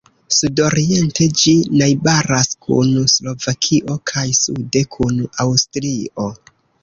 Sudoriente ĝi najbaras kun Slovakio kaj sude kun Aŭstrio.